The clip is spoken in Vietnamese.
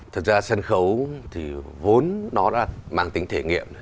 thật ra sân khấu thì vốn nó là mạng tính thể nghiệm